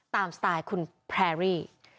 สไตล์คุณแพรรี่